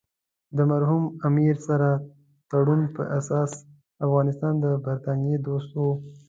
د مرحوم امیر سره تړون په اساس افغانستان د برټانیې دوست وو.